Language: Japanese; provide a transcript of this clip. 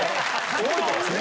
覚えてますね。